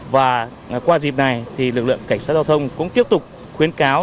và qua dịp này thì lực lượng cảnh sát giao thông cũng tiếp tục khuyến cáo